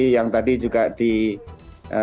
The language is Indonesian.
yang tadi juga dikonsen